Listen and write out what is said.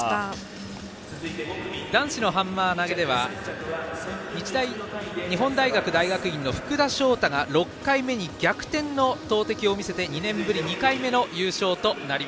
男子のハンマー投げでは日本大学大学院の福田翔大が６回目に逆転の投てきを見せて２年ぶり２回目の優勝。